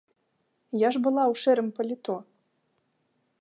Я ж была ў шэрым паліто.